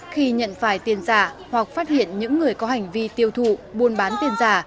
khi nhận phải tiền giả hoặc phát hiện những người có hành vi tiêu thụ buôn bán tiền giả